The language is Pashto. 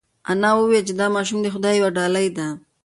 انا وویل چې دا ماشوم د خدای یوه ډالۍ ده.